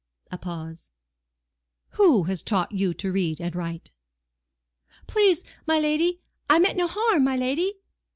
A pause. "Who has taught you to read and write?" "Please, my lady, I meant no harm, my lady."